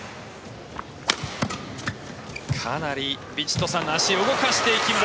かなりヴィチットサーンの足を動かしていきます。